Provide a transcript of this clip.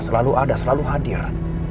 selalu ada selalu hadir